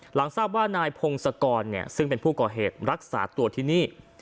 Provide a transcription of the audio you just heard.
หลังทราบว่านายพงศกรซึ่งเป็นผู้ก่อเหตุรักษาตัวที่นี่